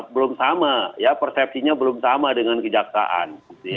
belum sama ya persepsinya belum sama dengan kejaksaan